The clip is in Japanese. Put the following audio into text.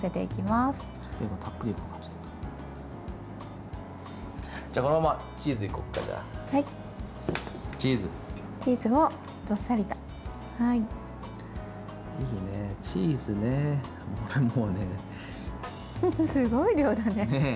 すごい量だね。